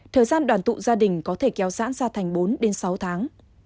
thời gian đoàn tụ gia đình có thể kéo dãn ra thành bốn sáu tháng